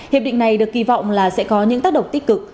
hiệp định này được kỳ vọng là sẽ có những tác động tích cực